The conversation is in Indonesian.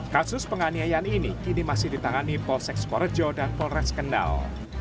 kasus penganiayaan ini kini masih ditangani polseks korejo dan polres kendal